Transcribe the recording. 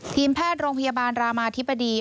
ทีมแพทย์โรงพยาบาลรามาธิบดี